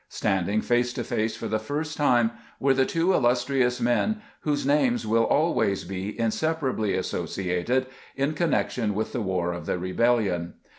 Standing face to face for the first time were the two illustrious men whose names wiU always be inseparably associated in connection with the war of the rebellion.